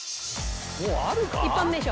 一般名称？